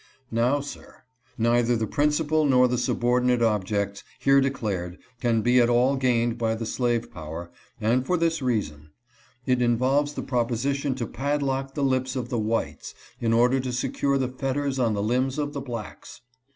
Now, sir, 368 > COLONIZATION SOCIETY. neither the principle nor the subordinate objects, here declared, can be at all gained by the slave power, and for this reason : it involves the proposition to padlock the lips of the whites, in order to secure the fetters on the limbs of the blacks.